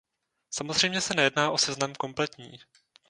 Samozřejmě se nejedná o seznam kompletní.